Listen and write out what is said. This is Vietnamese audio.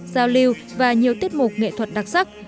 giao lưu và nhiều tiết mục nghệ thuật đặc sắc